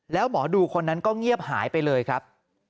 แล้วหมอดูคนนั้นก็เงียบหายไปเลยครับ